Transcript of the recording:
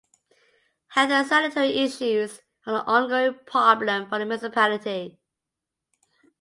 Health and sanitary issues were an ongoing problem for the municipality.